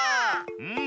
うん。